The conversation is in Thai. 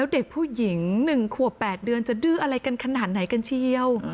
เด็กผู้หญิง๑ขวบ๘เดือนจะดื้ออะไรกันขนาดไหนกันเชียว